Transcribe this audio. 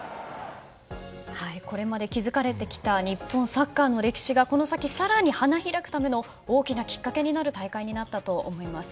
これまで築かれてきた日本サッカーの歴史がこの先、更に花開くための大きなきっかけになる大会になったと思います。